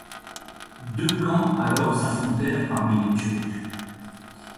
Deux camps alors s'affrontèrent parmi les Turcs.